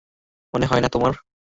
মনে হয় না তোমার?